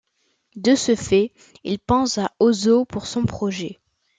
De ce fait, il pense à Oso pour son projet.